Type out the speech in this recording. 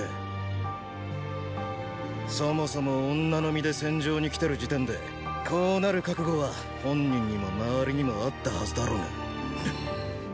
そもそも女の身で戦場に来てる時点でこうなる覚悟は本人にも周りにもあったはずだろうが。